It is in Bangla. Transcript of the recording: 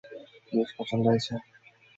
গিফট পছন্দ হয়েছে?